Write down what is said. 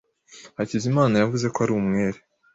Hakizimana yavuze ko ari umwere.